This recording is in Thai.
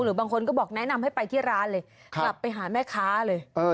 หรือบางคนก็แนะนำไว้ไปที่ร้านไปหาแม่ค้าเลย